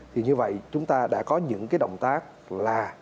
thì như vậy chúng ta đã có những cái động tác là